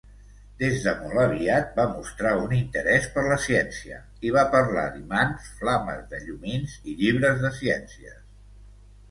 Des de molt aviat, va mostrar un interès per la ciència i va parlar d'imants, flames de llumins i llibres de ciències.